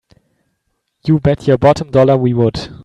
You bet your bottom dollar we would!